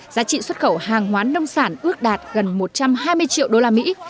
giá trị xuất khẩu hàng hoán nông sản ước đạt gần một trăm hai mươi triệu usd